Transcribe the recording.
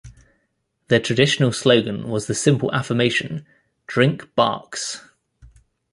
The traditional slogan was the simple affirmation Drink Barq's.